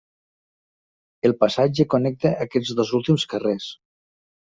El passatge connecta aquests dos últims carrers.